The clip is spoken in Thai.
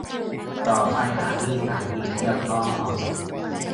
ต่อไปอาจมีสายสีเขียวตองอ่อน